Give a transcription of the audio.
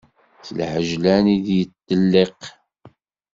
S lɛejlan i d-yeṭelliq.